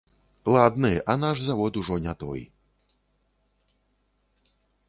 Ладны, а наш завод ужо не той.